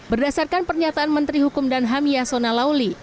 berdasarkan pernyataan menteri hukum dan hamiah sona lauli